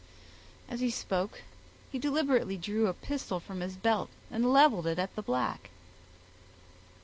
As he spoke, he deliberately drew a pistol from his belt, and leveled it at the black.